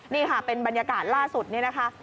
นี่ค่ะเป็นบรรยากาศล่าสุดนี่นะคะ